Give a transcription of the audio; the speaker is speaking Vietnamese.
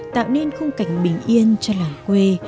tạo nên khung cảnh bình yên cho làng quê